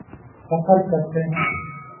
سفر کرتے ہیں۔